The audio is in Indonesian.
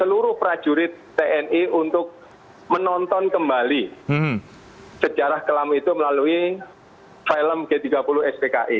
seluruh prajurit tni untuk menonton kembali sejarah kelam itu melalui film g tiga puluh spki